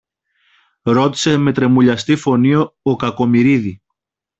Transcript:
ρώτησε με τρεμουλιαστή φωνή ο Κακομοιρίδη